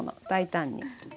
大胆に。